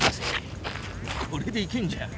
これでいけんじゃん。